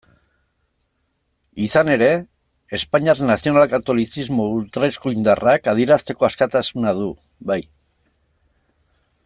Izan ere, espainiar nazional-katolizismo ultraeskuindarrak adierazteko askatasuna du, bai.